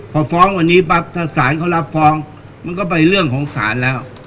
พอฟ้องวันนี้ปั๊บถ้าศาลเขารับฟ้องมันก็ไปเรื่องของศาลแล้ว